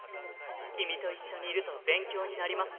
君と一緒にいると勉強になります。